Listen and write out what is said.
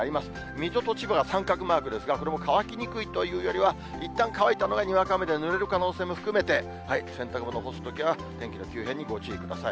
水戸と千葉が三角マークですが、これも乾きにくいというよりは、いったん乾いたのににわか雨でぬれる可能性も含めて、洗濯物干すときは天気の急変にご注意ください。